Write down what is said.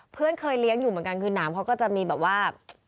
เพื่อนเคยเลี้ยงอยู่เหมือนกันคือหนามเขาก็จะมีแบบว่า